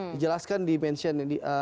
dijelaskan di mention